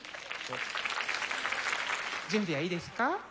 準備はいいですか？